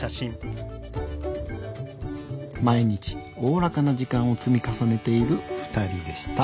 毎日おおらかな時間を積み重ねているふたりでした。